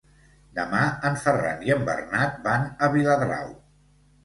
Demà en Ferran i en Bernat van a Viladrau.